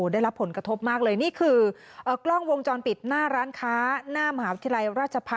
ได้รับผลกระทบมากเลยนี่คือกล้องวงจรปิดหน้าร้านค้า